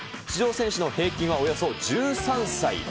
出場選手の平均はおよそ１３歳。